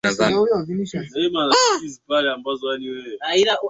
Mtoto wake ni mfupi